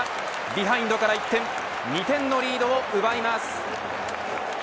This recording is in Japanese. ビハインドから一転２点のリードを奪います。